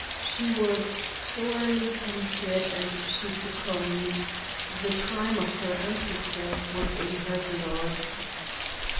She was sorely tempted and she succumbed; the crime of her ancestors was in her blood."